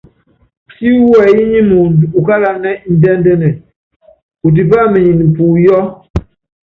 Si wɛyí nyi muundɔ ukálanɛ́ ndɛ́ndɛ́nɛ, utipá umenyene puyɔ́.